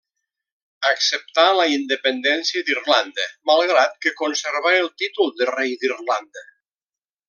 Acceptà la independència d'Irlanda malgrat que conservà el títol de Rei d'Irlanda.